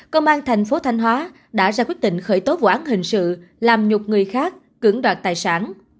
công an thành phố thanh hóa đã ra quyết định khởi tố vụ án hình sự làm nhục người khác cưỡng đoạt tài sản